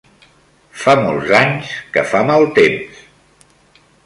Fa molts anys que fa mal temps.